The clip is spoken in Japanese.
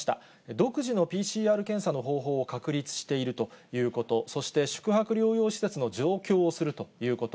独自のＰＣＲ検査の方法を確立しているということ、そして宿泊療養施設の増強をするということ。